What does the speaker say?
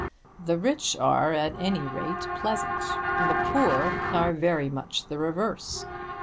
The rich are at any rate pleasant. The poor are very much the reverse.